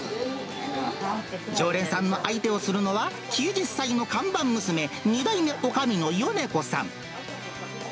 常連さんの相手をするのは、９０歳の看板娘、２代目おかみの米子さん。